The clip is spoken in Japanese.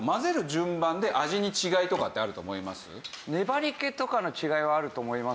順番で味に違いとかってあると思います？